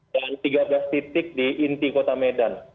dan tiga belas titik di inti kota medan